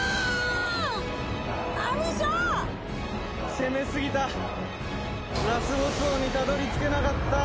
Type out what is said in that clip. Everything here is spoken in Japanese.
攻め過ぎた、ラスボス鬼にたどり着けなかった。